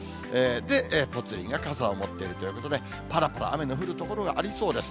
で、ぽつリンが傘を持っているということで、ぱらぱら雨の降る所がありそうです。